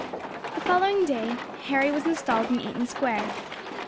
The following day Harry was installed in Eaton Square.